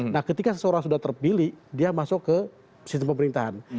nah ketika seseorang sudah terpilih dia masuk ke sistem pemerintahan